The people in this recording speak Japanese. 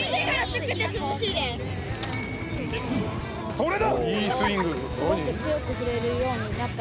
それだ！